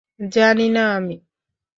জানি না আমি।